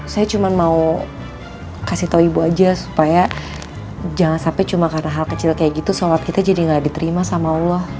saya cuma mau kasih tahu ibu aja supaya jangan sampai cuma karena hal kecil kayak gitu sholat kita jadi gak diterima sama allah